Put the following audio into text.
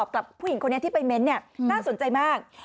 คุณผู้หญิงที่ไปเมนต์เนี่ยด้านสนใจมาก